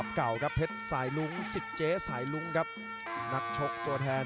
เพราะเพชรมงค์ทนอีกก็มวยเท้า